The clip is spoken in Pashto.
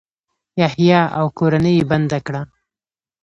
یحیی او کورنۍ یې بنده کړه.